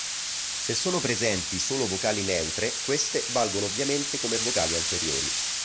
Se sono presenti solo vocali neutre queste valgono ovviamente come vocali anteriori.